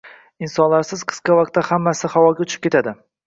insonlarsiz qisqa davrda hammasi havoga uchib ketadi.